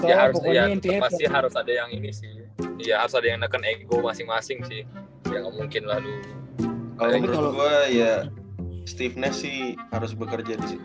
ya itulah persiapannya harus ada yang ini sih iya aku ada di engkau masih ash containment masih sih